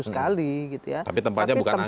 sekali tapi tempatnya bukan angket